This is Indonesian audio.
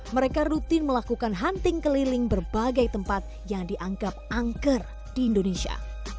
mereka rutin melakukan hunting keliling berbagai tempat yang dianggap angker di indonesia